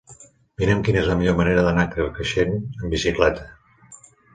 Mira'm quina és la millor manera d'anar a Carcaixent amb bicicleta.